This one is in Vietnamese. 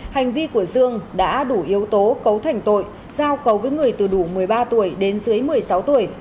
hành vi của dương đã đủ yếu tố cấu thành tội giao cầu với người từ đủ một mươi ba tuổi đến dưới một mươi sáu tuổi